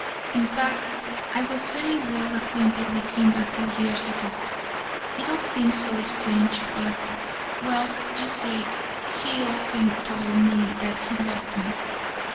In fact, I was very well acquainted with him a few years ago. It all seems so strange, but well you see he often told me that he loved me.